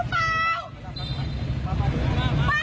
จะกลับบ้าน